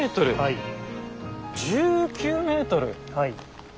はい。